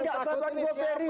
gak sabar gua pilih